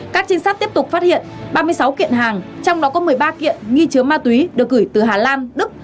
các trinh sát tiếp tục phát hiện ba mươi sáu kiện hàng trong đó có một mươi ba kiện nghi chứa ma túy được gửi từ hà lan đức